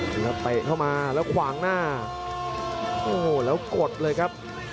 เหลือเตะเข้ามาแล้วขวางหน้าโอ้โหแล้วกดเลยครับ